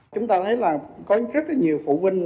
chúng ta thấy là có rất nhiều phụ huynh